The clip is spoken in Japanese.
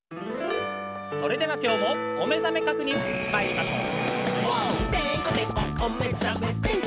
それではきょうもおめざめ確認まいりましょう！